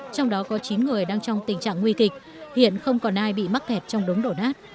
trong đó có chín người đang trong tình trạng nguy kịch hiện không còn ai bị mắc kẹt trong đống đổ nát